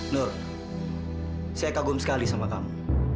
nur saya kagum sekali sama kamu